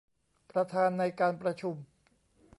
ประธานในการประชุม